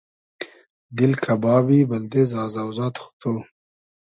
دیل کئبابی بئلدې زازۆزاد خو تو